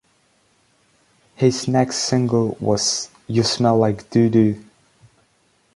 His next single was "You Smell Like Doo-Doo".